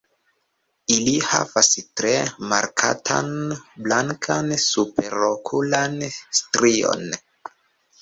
Ili havas tre markatan blankan superokulan strion.